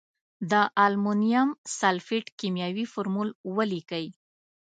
د المونیم سلفیټ کیمیاوي فورمول ولیکئ.